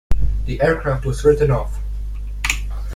The aircraft was written off.